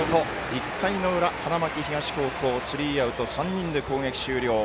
１回の裏、花巻東高校スリーアウト、３人で攻撃終了。